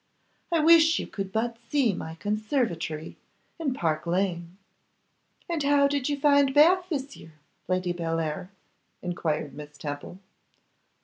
I wish you could but see my conservatory in Park lane!' 'And how did you find Bath this year, Lady Bellair?' enquired Miss Temple.